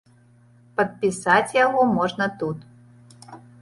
Падпісаць яго можна тут.